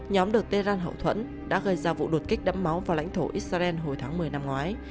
nhóm được tehran hậu thuẫn đã gây ra vụ đột kích đẫm máu vào lãnh thổ israel hồi tháng một mươi năm ngoái